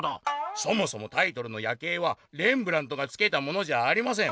「そもそもタイトルの『夜警』はレンブラントがつけたものじゃありません！」。